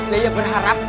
ya ya berharap